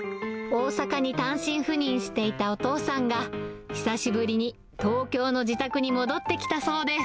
大阪に単身赴任していたお父さんが、久しぶりに東京の自宅に戻ってきたそうです。